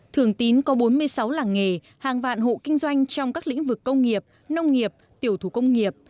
thường tín có bốn mươi sáu làng nghề hàng vạn hộ kinh doanh trong các lĩnh vực công nghiệp nông nghiệp tiểu thủ công nghiệp